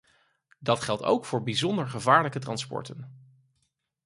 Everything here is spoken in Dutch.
Dat geldt ook voor bijzonder gevaarlijke transporten.